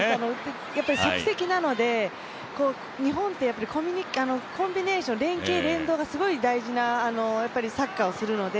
即席なので、日本ってコンビネーション連係、連動がすごい大事なサッカーをするので